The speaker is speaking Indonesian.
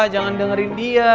jangan dengerin dia